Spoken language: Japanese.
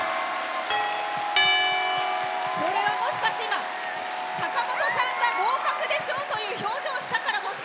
これはもしかして今、坂本さんが合格でしょう？という表情をしたから。